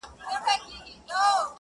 • زېږوي یې چاغوي یې ځوانوي یې -